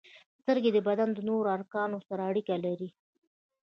• سترګې د بدن د نورو ارګانونو سره اړیکه لري.